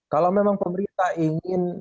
kalau memang pemerintah ingin